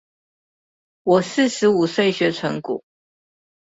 我四十五歲學存股